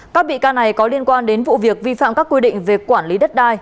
các bị can này có liên quan đến vụ việc vi phạm các quy định về quản lý đất đai